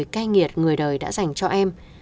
cái nghiệt người đời đã dành cho em